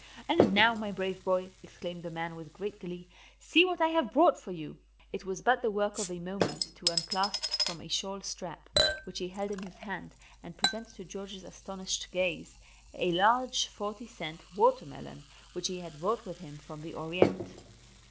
"And now, my brave boy," exclaimed the man with great glee, "see what I have brought for you." It was but the work of a moment to unclasp from a shawl strap, which he held in his hand, and present to George's astonished gaze, a large 40 cent watermelon, which he had brought with him from the Orient.